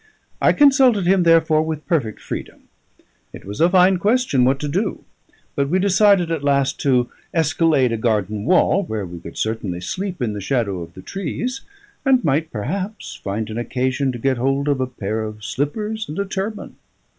I consulted him, therefore, with perfect freedom. It was a fine question what to do; but we decided at last to escalade a garden wall, where we could certainly sleep in the shadow of the trees, and might perhaps find an occasion to get hold of a pair of slippers and a turban.